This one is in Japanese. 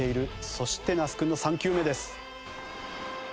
そして那須君の３球目です。